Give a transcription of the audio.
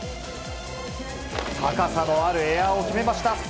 高さのあるエアを決めました。